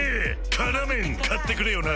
「辛麺」買ってくれよな！